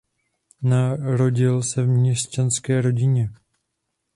Narodil se v měšťanské rodině.